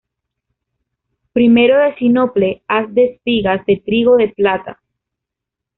Primero de sinople haz de espigas de trigo de plata.